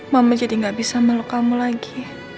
mama jadi gak bisa meluk kamu lagi